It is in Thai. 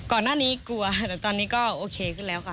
ก่อนหน้านี้กลัวแต่ตอนนี้ก็โอเคขึ้นแล้วค่ะ